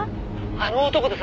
「あの男です